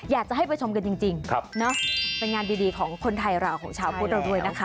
อยากจะให้ไปชมกันจริงเป็นงานดีของคนไทยเราของชาวพุทธเราด้วยนะคะ